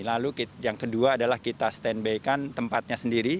lalu yang kedua adalah kita stand by kan tempatnya sendiri